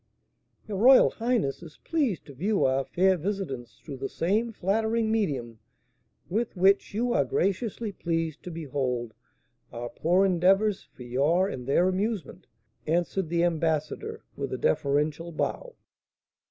"Your royal highness is pleased to view our fair visitants through the same flattering medium with which you are graciously pleased to behold our poor endeavours for your and their amusement," answered the ambassador, with a deferential bow.